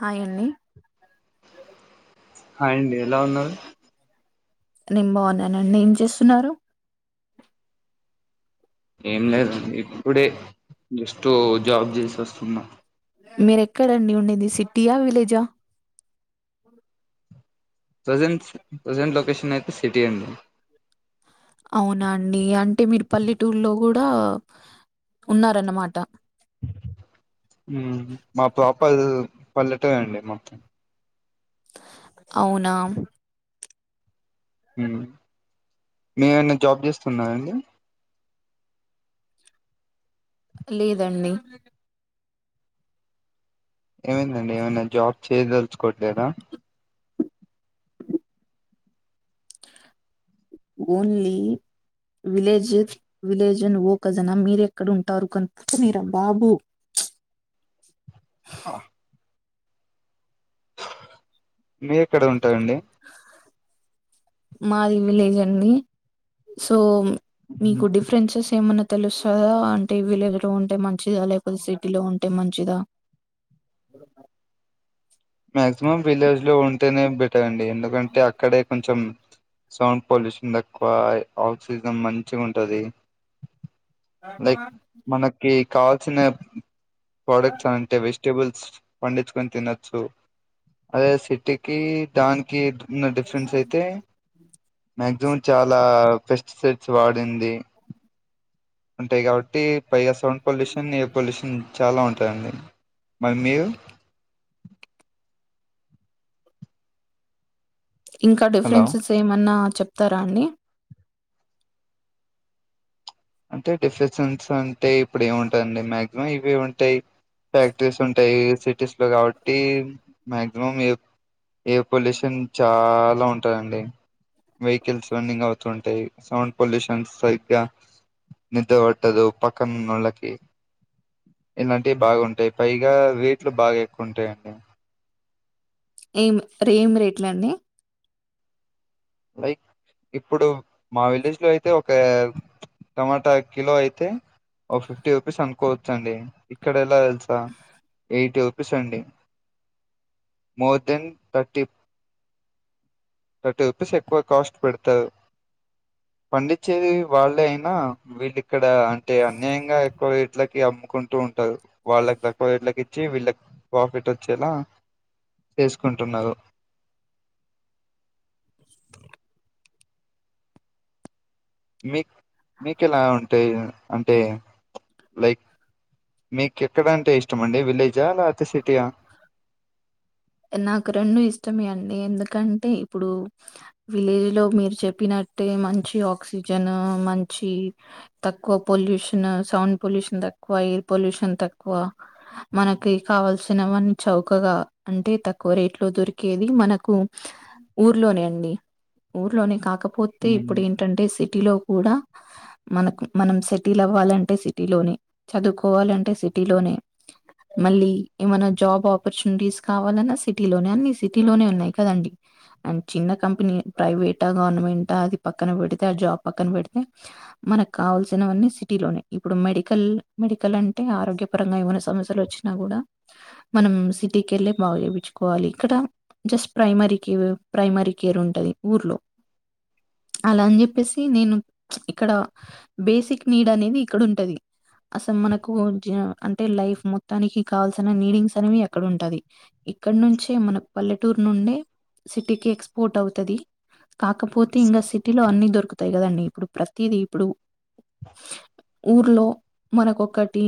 Hi అండి hi అండి ఎలా ఉన్నారు. నేను బాగున్నానండి ఏం చేస్తున్నారు. ఏం లేదు ఇప్పుడే జస్ట్ జాబ్ చేసి వస్తున్నా మీరేక్కడండి ఉండేంది సిటీయా, విలేజా ప్రజెంట్ ప్రజెంట్ లొకేషన్ అయితే సిటీ అండి. అవునా అండి అంటే మీరు పల్లెటూరులో కూడా ఉన్నారన్నమాట. ఉమ్మ్ మా ప్రాపర్ పల్లెటూరు అండి మా అవునా మేమనా జాబ్ చేస్తురన్నాండి. లేదండి. ఏమైందండి ఏమనా జాబ్ చేయదలుచుకోవట్లేదా ఓన్లీ విలేజ్ విలేజ్ అన్ ఓ జనా మీరెక్కడ ఉంటారు కనుపకు మీరా బాబు ఆ మీరు ఎక్కడ ఉంటారయండి. మాది విలేజ్ అండి సో మీకు డిఫరెన్సెస్ ఏమన్నా తెలుస్తుందా అంటే విలేజ్ లో ఉంటే మంచిదా లేకపోతే సిటీ లో ఉంటే మంచిదా. అ మాక్సిమం విలేజ్ లో ఉంటేనే బెటారండి ఎందుకంటే అక్కడే కొంచెం సౌండ్ పొల్యూషన్ తక్కువ ఆక్సిజన్ మంచి ఉంటది. లైక్ మనకి కావాల్సిన ప్రోడక్ట్స్ అంటే వేస్ట్ వెజిటబుల్స్ పండించుకని తినొచ్చు అదే సిటీకి దా నికి ఉన్న డిఫరెన్స్ అయితే మక్సిమం చాలా పెస్టిసైడ్స్ వాడింది. ఉంటాయి కాబట్టి పైగా సౌండ్ పొల్యూషన్ ఎయిర్ పొల్యూషన్ చాలా ఉంటాయండి. మరి మీరు ఇంకా హలో డిఫరెన్సెస్ ఏమన్నా చెప్తారా అండి. అంటే డిఫెసెన్స్ అంటే ఇప్పుడు ఏముంటాందండి మాక్సిమం ఇవే ఉంటాయి. ఫ్యాక్టరీస్ ఉంటాయి సిటీస్ లో కాబట్టి మాక్సిమం ఎయిర్ పొల్యూషన్ చాలా ఉంటందండి. వెహికల్స్ రన్నింగ్ అవుతూ ఉంటాయి సౌండ్ పొల్యూషన్ సరిగ్గా నిద్ర పట్టదు పక్కనొళకి ఇలాంటివి బాగుంటాయి పైగా రేట్లు బాగా ఎక్కువంటాయండి. ఏం రెట్ ఏం రేట్లండి లైక్ ఇప్పుడు మా విలేజ్ లో అయితే ఒక టమాటా కిలో అయితే ఓ ఫిఫ్టీ రూపీస్ అనుకోవచ్చండి ఇక్కడ ఎలా తెలుస ఏయిట్ రూపిస్ అండి మోర్ దన్ థర్టీ. థట్టీ రుపీస్ ఎక్కువ కాస్ట్ పెడతవ్ పండిచ్చేది వాళ్ళే అయినా వీళ్ళిక్ క్కడ అంటే అన్యాయంగా ఎక్కువ రెట్లకి అమ్ము కొంటూ ఉంటారు వాళ్ళకి తక్కువ రేట్లకి ఇచ్చి వీళ్ళకి ప్రాఫిట్ ఒచ్చేలా చేసుకుంటున్నరు [inaudible] మీక్ మీకెలా ఉంటది అంటే లైక్ మీకెక్కడ అంటే ఇష్టం అండి విలేజ్ నాకు రెండూ ఇష్టమే అండి ఎందుకంటే ఇప్పుడు విలేజ్ లో మీరు చెప్పినట్టే మంచి ఆక్సిజన్ మంచి తక్కువ పొల్యూషన్ సౌండ్ పొల్యూషన్ తక్కువ, ఎయిర్ పొల్యూషన్ తక్కువ మన కి కావల్సినవన్ని చౌకగా అంటే తక్కువ రేట్లో దొరికేది మనకు ఊర్లోనే అండి ఊర్లోనే కాకపోతే ఇప్పుడు ఏంటంటే సిటీలో కూడా మనకు మనం సెటిల్ అవ్వాలంటే సిటీలోనే, చదువుకోవాలంటే సిటీలోనే [inaudible] మళ్ళీ ఏమన్నా జాబ్ ఆపర్చునిటీస్ కావాలన్నా సిటీలోనే అన్ని సిటీలోనే ఉన్నయి కదండి? అండ్ చిన్న కంపెనీయే ప్రైవేటా గవర్నమెంటా అది పక్కన పెడితే ఆ జాబ్ పక్కన బెడితే మనకు కావల్సినవన్నీ సిటీలోనే ఇప్పుడు మెడికల్ మెడికల్ అంటే ఆరోగ్యపరంగా ఏమన్న సమస్యలొచ్ నాగ్గుడా మనం సిటీకి ఎళ్ళే బాగు చేపిచుకోవాలి ఇక్కడ జస్ట్ ప్రైమరీకి ప్రైమరీ కేర్ ఉంటది ఊర్లో [inaudible] అలా అని చెప్పేసి నేను ఇక్కడ బేసిక్ నీడనేది ఇక్కడ ఉంటది అసల్ మనకు ఒ జియో అంటే లైఫ్ మొ తానికి కావల్సిన నీడింగ్స్ అనేవి అక్కడ ఉంటది ఇక్కడ్నుంచే మన పల్లెటూరు నుండే సిటీకి ఎక్స్పోర్ట్ అవుతది, కాకపోతే ఇంగ సిటీలో అన్ని దొరుకు తయ్ కదండి ఇప్పుడు ప్రతిదీ ఇప్పుడు ఊర్లో మనకొకటి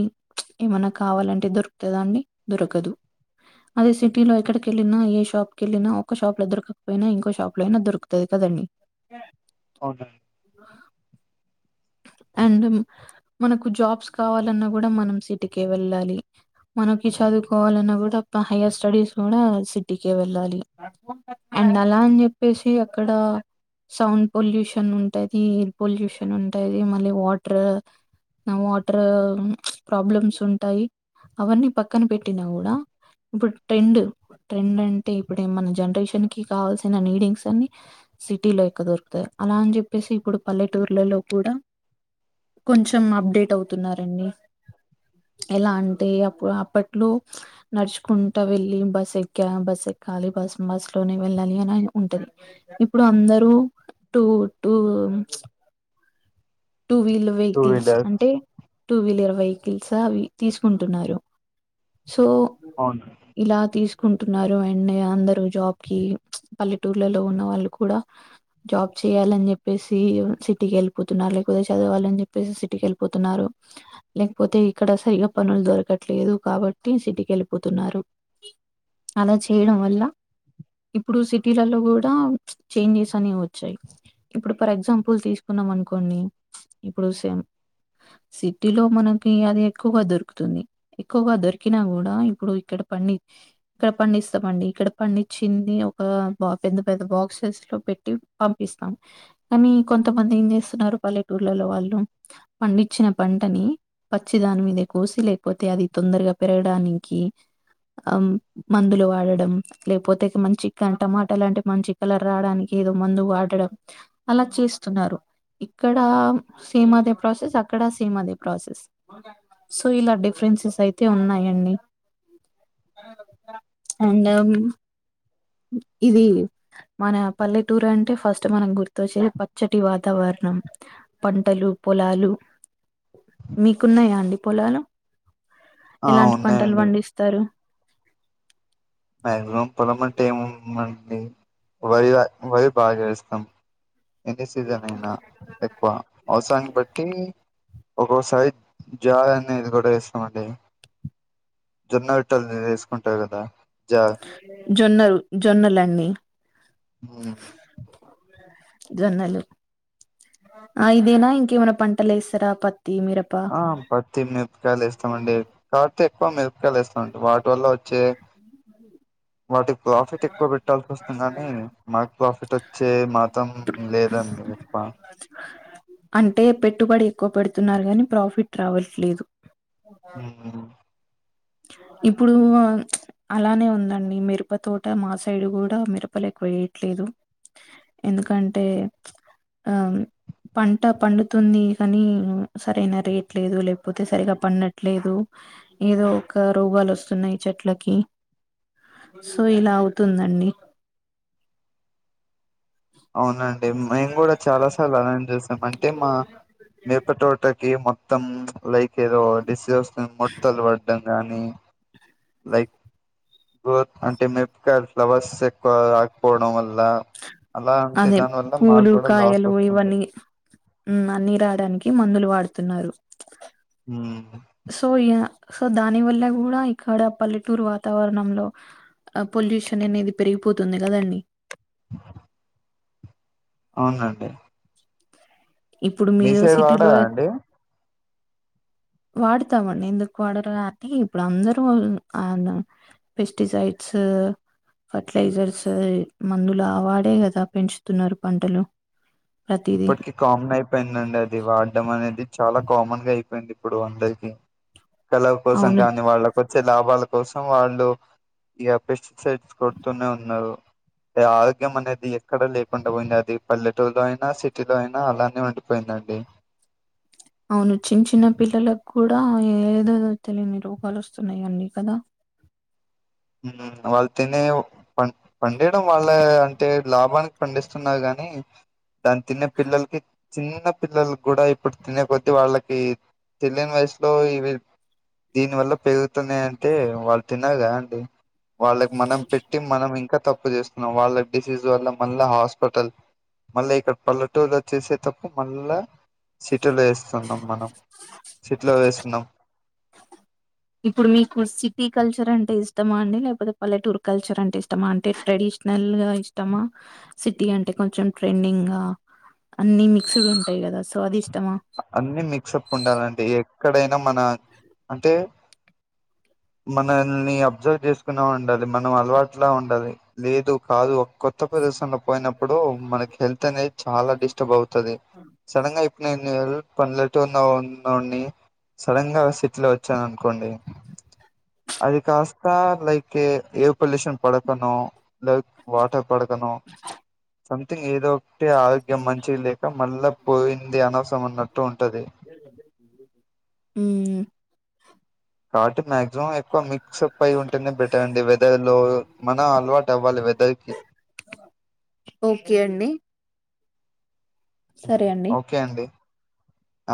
ఏమన్నా కావాలన్ టే దొరుకుతదా అండి దొరకదు అదే సిటీలో ఎక్కడికెళ్ళిన ఏ షాప్ కెళ్ళినా ఒక్క షాప్ లో దొరకపోయినా ఇంకో షాప్ లో అయినా దొరుకుతది కదండి? అవునా అ అండ్ మనకు జాబ్స్ కావాలన్నా గూడ మనం సిటీకే వెళ్ళాలి. మనకి చదువుకోవాలన్నా గూడ ప హైయర్ స్టడీస్ కూడా సిటీకే వెళ్ళాలి. అండ్ అలా అన్చెప్పేసి అక్కడ సౌండ్ పొల్యూషన్ ఉంటది, ఎయిర్ పొల్యూషన్ ఉన్ టది మళ్ళీ వాటర్ వాటర్ ప్రాబ్లమ్స్ ఉంటాయి. అవన్నీ పక్కన పెట్టినా గూడా ఇప్పుడ్ ట్రెండ్, ట్రెండ్ అంటే ఇప్పుడె మన జనరేషన్ కి కావల్సిన నీడింగ్స్ అన్ని అలా అని చెప్పేసి ఇప్పుడు పల్లెటూర్లలో కూడా కొంచెం అప్డేట్ అవుతున్నారండి. ఎలా అంటే అప్పుడు అప్పట్లో నడుచుకుంటా వెళ్ళి బస్ ఎక్కేది బస్ కాలీ బస్ బస్ లోనే వెళ్ళాలి అని ఉంటది ఇప్పుడు అందరూ two two two wheeler two vehicles wheeler అంటే టూ వీలర్ వెహికిల్స్ అవి తీసుకుంటున్నారు సో అవును ఇలా తీస్ కుంటున్నారు అండ్ అందరూ జాబ్ కి, పల్లెటూర్లలో ఉన్న వాళ్ళు కూడా జాబ్ చేయాలన్ జెప్పేసి చి సిటీకెళ్ళిపోతున్నారు లేకపోతే చదవాలన్ చెప్పేసి సిటీకెళ్ళిపోతున్నారు లేకపోతే ఇక్కడ సరిగా పను దొరకట్లేదు కాబట్టి సిటీకెళ్ళిపోతున్నారు. అలా చేయడం వల్ల ఇప్పుడు సిటీలలో ప్చ్ కూడా చేంజ్ చేస్తనే వచ్చాయి ఇప్పుడు ఫర్ ఎగ్జాంపుల్ తీసు కున్నం అనుకోండి ఇప్పుడు సేమ్ సిటీలో మనకి అది ఎక్కువగా దొరుకుతుంది. ఎక్కువగా దొరికినా కూడా ఇప్పుడు ఇక్కడ పండి ఇక్కడ పండిస్తామండి ఇక్కడ పండిచ్చింది ఒక బా పెద్ద పెద్ద బాక్సెస్ లో పెట్టి పంపిస్తాం కానీ కొం తమంది ఏం చేస్తున్నారు పల్లెటూర్లలో వాళ్ళు పండించిన పంటనీ పచ్చి దాని మీదే కోసి లేకపోతే అది తొందరగా పెరగడానికి ఆఁ మందులు వాడడం లేకపోతే మంచి కన్ టమాటా లాంటి మంచి కలర్ రావడాని ఏదో మందు వాడడం అలా చేస్తున్నారు. ఇక్కడ సేమ్ అదే ప్రాసెస్ అక్కడ సేమ్ అదే ప్రాసెస్ సో ఇలా డిఫరెం న్సెస్ అయితే ఉన్నాయండి. అండ్ ఇదీ మన పల్లెటూరు అంటే ఫస్ట్ మనం గుర్తొచ్చేది పచ్చటి వాతావర నం పంటలు పొలాలు మీకున్నాయా అండి పొలాలు ఆ ఎలాంటి పంటలు ఉన్నాయండి పండిస్తారు? మాక్సిమం పొలం అంటే ఏముందండి వరి వరి బాగా ఏస్తం. ఎనీ సీజన్ అయినా ఎక్కువ అవసరని బట్టి ఒక్కోసారి జార్ అనేది కూడా ఏస్తమండి జొన్న రొట్టల్ చేసుకుంటరు కదా జార్ జొన్నల్ జొన్నలండి ఉమ్. జొన్నలు ఆఁ ఇదేనా ఇంకేమైనా పంటలు ఏస్తరా ప ఆ పత్తి, మిపకాయలు, ఏస్తమండి. కాపోతే ఎక్కువ మి ర్పకాయలు ఏస్తం అండి వాటి వల్ల వచ్చే వాటికి ప్రాఫిట్ ఎక్కువ పెట్టాల్సి వస్తుందని, మాకు ప్రాఫిట్ వచ్చే మాత్రం లేదం అంటే పెట్టుబడి ఎక్కువ పెడు తున్నరు గానీ ప్రాఫిట్ రావట్లేదు. హ్మ్ ఇప్పుడూ ప్చ్ అలానే ఉందండి మిరప తోట మా సైడు కూడా మిరపలు ఎక్కువ ఎయట్లేదు. ఎందుకంటే ఆఁ పంట పండుతుంది కనీ, సరైన రేట్ లేదు. లేకపోతే సరిగా పండట్లేదు. ఏదో క రోగాలు వస్తున్నాయి చెట్లకి సో ఇలా అవుతుందండి. అవునం డి మేము గూడ చాలా సార్లు అలానే చేసాం. అంటే మా మిరప తోటకి మొ త్తం లైక్ ఏదో డిస్స్ వస్తూ మొట్టల్ పడ్డం అనీ లైక్ గ్రోత్ అంటే మిరపకాయలు ఫ్లవర్స్ ఎక్కువ రాకపోవడం వల్లా అదే పూలు కాయలు వస్తుంది ఇవన్నీ మ్మ్ అన్ని రాడానికి మందులు వాడుతున్నారు. హ్మ్ఁ సో యా సో దాని వల్ల కూడా ఇక్కడ పల్లెటూరు వాతావరణంలో ఆ పొల్యూషన్ అనేది పెరిగి పోతుంది కదండీ. అవునండి. ఇప్పుడు మీ మీరు సైడ్ వాడా సిటీలో అండి [inaudible] వాడతామండి ఎందుకు వాడరు అంటే ఇప్పుడు అందరూఆ పెస్టిసైడ్స్ ఆ ఫర్టిలైజర్స్ మందులు ఆవాడే కదా పెంచుతున్నారు పంటలు ప్రతీదీ. ఇప్పటికి కామన్ అయిపోయిందండి అది వాడం అనేది చాలా కామన్ గా అయిపోయింది ఇప్పుడు అందరికీ కలవ కోసం అవును. కానీ వాళ్ళక వచ్చే లాభాల కోసం వాళ్ళు ఈ అపేచ్ సెట్స్ కొడుతూనే ఉన్నారు ఆరోగ్యం అనేది ఎక్కడ లేకుండా పోయింది అది పల్లెటూరులో అయి ఆ సిటీలో అయినా అలానే ఉండిపోయిందండి అవును చిన్ చిన్న పిల్లలకు కూడా ఏదో తెలియని రోగాలు వస్తున్నాయిన్నీ కదా మ్ వాళ్ళు తినే పండ్ పండిడం వాళ్ళ అంటే లాభానికి పండిస్తున్నారు గానీ మ్ దాని తిినే పిల్లలకి చిన్న పిల్లలు కూడా ఇప్పుడు తినే కొద్దీ వాళ్ళకి తెలియని వయసులో ఇవి దీని వల్ల పెరుగుతున్నాయి అంటే వాళ్ళు తిన్నారుగా అండి వాళ్ళకి మనం పెట్టి మనం ఇంకా తప్పు చేస్తున్నాం వాళ్ళ డిసీజ్ వల్ల మళ్ళా హాస్పిటల్ మళ్ళా ఇక్కడ పల్లెటూలు వచ్చేసే తప్పు మళ్ళా సిటీలు వేస్ వస్తున్నాం మనం చెట్లో వేస్తున్నాం ఇప్పుడు మీకు సిటీ కల్చర్ అంటే ఇష్టమా అండి లేకపోతే పల్లెటూర్ కల్చర్ అంటే ఇష్టమా అంటే ట్రెడిషన్ నల్ గా ఇష్టమా సిటీ అంటే కొంచెం ట్రెండింగ్ గా అన్నిీ మిక్స్డ్ ఉంటాయి కద అన్నిీ మిక్స్ అప్ ఉండాలంటడి ఎక్కడైనా మన అంటే [inaudible] మనల్ని అబ్జర్వ్ చేసుకున్నా ఉండాలి మనం అలవాట్లా ఉండాలి లేదు కాదు కొత్త ప్రదేశంలో పోయినప్పుడు మనకి హెల్త్ అనేది చాలా డిస్టర్బ్ అవుతుది సడన్ గా ఇప్పుడు నేను పల్లె టూర్ల ఉన్నోన్ని సడన్ గా సిటీ లో వచ్చాను అనుకోండి అది కాస్త లైక్ ఎర్ పొల్యూషన్ పడకనో లైక్ వాటర్ పడకనో సంథింగ్ ఏదో ఒకటి ఆరోగ్యం మంచిగ లేక మళ్ళా పోయి అనసం ఉన్నట్టు ఉంటది హ్మ్. కాబట్టి మ్యాగ్ ఎక్కువ మిక్స్ అప్ అయి ఉంటేనే పెట్టండి వెదర్ లో మనం అలవాటు అవ్వాలి వెదర్ కి [inaudible] ఓకే అండి ఓకే అండి